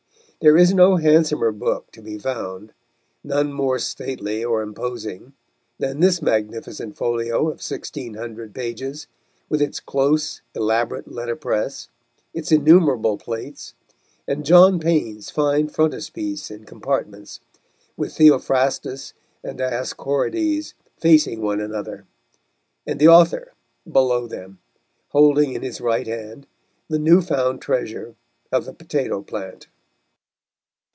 There is no handsomer book to be found, none more stately or imposing, than this magnificent folio of sixteen hundred pages, with its close, elaborate letterpress, its innumerable plates, and John Payne's fine frontispiece in compartments, with Theophrastus and Dioscorides facing one another, and the author below them, holding in his right hand the new found treasure of the potato plant.